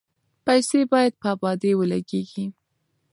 پیسې باید په ابادۍ ولګیږي.